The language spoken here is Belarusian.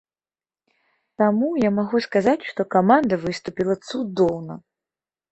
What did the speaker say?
Таму я магу сказаць, што каманда выступіла цудоўна!